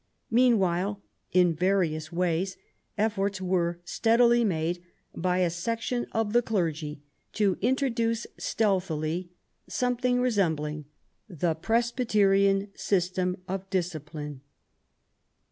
Meanwhile, in various ways, efforts were steadily made by a section of the clergy to introduce stealthily something resembling the Pres byterian system of discipline.